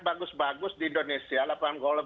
bagus bagus di indonesia lapangan golf